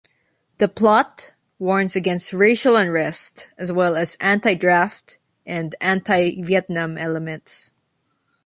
The "Plot" warns against "racial unrest," as well as "anti-draft" and "anti-Vietnam" elements.